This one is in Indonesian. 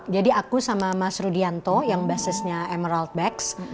jadi aku sama mas rudianto yang basisnya emerald becks